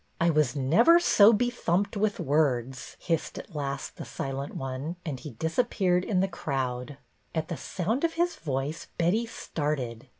" I was never so bethumped with words," hissed at last the silent one ; and he disap peared in the crowd. At the sound of his voice, Betty started.